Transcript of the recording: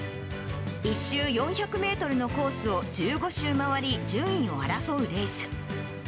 １周４００メートルのコースを１５周回り、順位を争うレース。